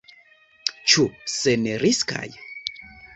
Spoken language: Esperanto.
Ĉu senriskaj?